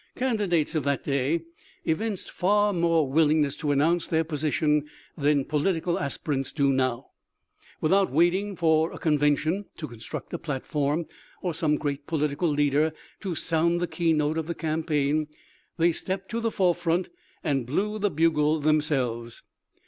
Candidates of that day evinced far more willingness to announce their position than political aspirants do now. Without waiting for a conven tion to construct a platform, or some great politi cal leader to " sound the key note of the campaign," they stepped to the forefront and blew the bugle themselves.